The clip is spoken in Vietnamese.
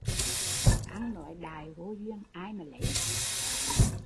Ăn nói đại vô duyên, ai mà lấy